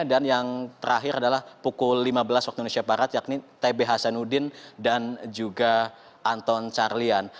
dan yang terakhir adalah pukul lima belas waktu indonesia barat yakni tb hasanuddin dan juga anton carlian